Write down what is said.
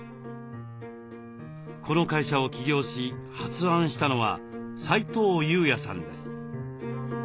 この会社を起業し発案したのは斉藤優也さんです。